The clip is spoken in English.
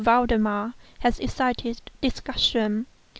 Valdemar has excited discussion.